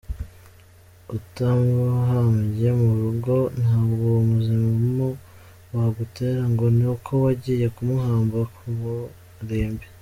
Utamuhambye mu rugo ntabwo uwo muzimu wagutera ngo ni uko wagiye kumuhamba mu irimbi.